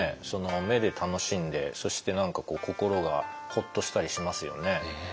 目で楽しんでそして何か心がホッとしたりしますよね。